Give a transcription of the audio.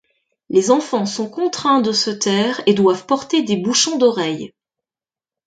Les enfants sont contraints de se taire et doivent porter des bouchons d'oreilles.